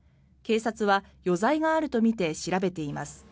警察は余罪があるとみて調べています。